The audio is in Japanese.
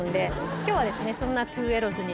今日はそんな。